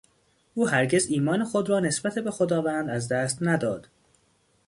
او هرگز ایمان خود را نسبت به خداوند از دست نداد.